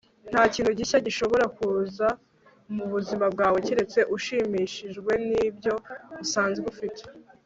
nta kintu gishya gishobora kuza mu buzima bwawe keretse ushimishijwe n'ibyo usanzwe ufite